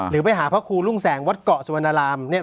หรือไปหาพระครูรุ่งแสงวัดเกาะสวนราม